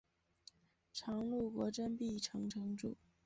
常陆国真壁城城主。